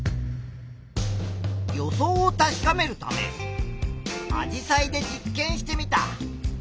予想を確かめるためアジサイで実験してみた。